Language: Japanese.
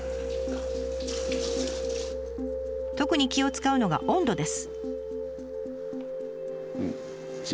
特に気を遣うのが温度です。